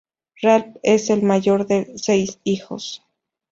Ralph es el mayor de seis hijos.